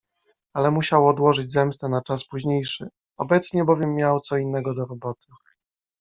Ale musiał odłożyć zemstę na czas późniejszy, obecnie bowiem miał co innego do roboty.